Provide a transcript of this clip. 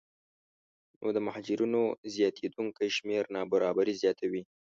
نو د مهاجرینو زیاتېدونکی شمېر نابرابري زیاتوي